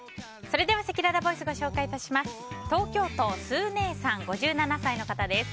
それでは、せきららボイスご紹介致します。